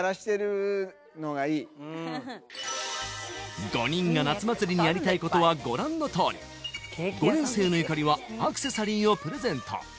うん５人が夏祭りにやりたいことはご覧のとおり５年生のゆかりはアクセサリーをプレゼント